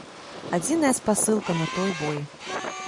Адзіная спасылка на той бой.